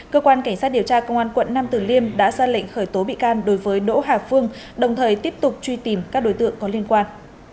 cơ quan cảnh sát điều tra công an quận nam tử liêm đã ra lệnh khởi tố bị can đối với đỗ hà phương đồng thời tiếp tục truy tìm các đối tượng có liên quan